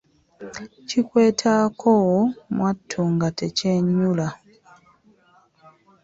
Kikwetaako mwattu nga tekyenyulla .